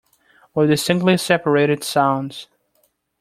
With distinctly separated sounds.